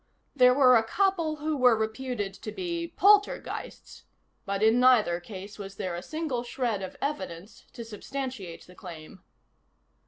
There were a couple who were reputed to be poltergeists but in neither case was there a single shred of evidence to substantiate the claim.